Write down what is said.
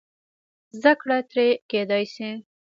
زده کړه ترې کېدای شي.